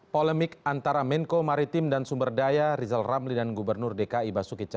jadi sebenarnya reklamasi